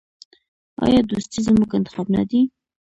آیا دوستي زموږ انتخاب نه دی؟